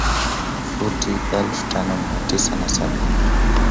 Futi elfu tano mia tisa na sabini